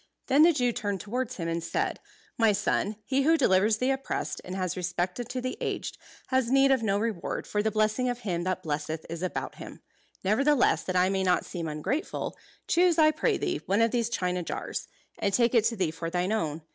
Then the Jew turned towards him and said, "My son, he who delivers the oppressed, and has respect unto the aged, has need of no reward, for the blessing of Him that blesseth is about him. Nevertheless, that I may not seem ungrateful, choose, I pray thee, one of these china jars; and take it to thee for thine own.